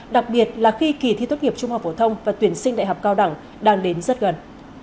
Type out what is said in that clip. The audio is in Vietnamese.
đặc biệt là khi kỳ thi tốt nghiệp trung học phổ thông và tuyển sinh đại học cao đẳng đang đến rất gần